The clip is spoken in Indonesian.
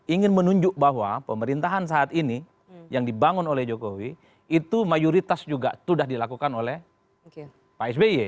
ingin menunjuk bahwa pemerintahan saat ini yang dibangun oleh jokowi itu mayoritas juga sudah dilakukan oleh pak sby